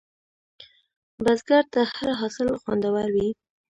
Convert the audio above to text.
بزګر ته هره حاصل خوندور وي